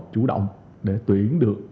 chủ động để tuyển được